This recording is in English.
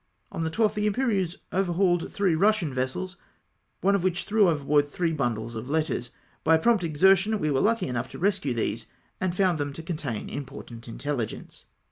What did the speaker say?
On the 12th, the Imperieuse over hauled three Eussian vessels, one of which threw over board three bundles of letters. By prompt exertion we were lucky enough to rescue these, and found them to contain important intelhgence.